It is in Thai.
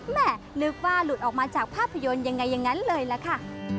แม่นึกว่าหลุดออกมาจากภาพยนตร์ยังไงอย่างนั้นเลยล่ะค่ะ